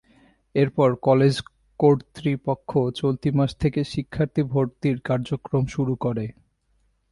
এরপর কলেজ কর্তৃপক্ষ চলতি মাস থেকে শিক্ষার্থী ভর্তির কার্যক্রম শুরু করে।